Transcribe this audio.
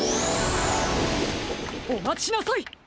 おまちなさい！